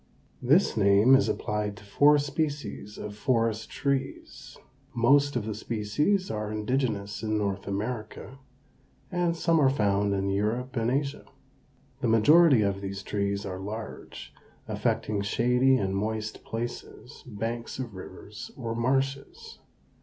This name is applied to four species of forest trees. Most of the species are indigenous in North America, and some are found in Europe and Asia. The majority of these trees are large, affecting shady and moist places, banks of rivers, or marshes.